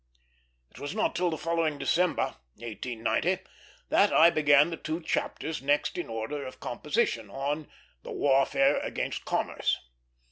It was not till the following December 1890 that I began the two chapters next in order of composition, on "The Warfare against Commerce."